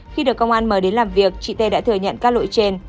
khi được công an mời đến làm việc chị tê đã thừa nhận các lỗi trên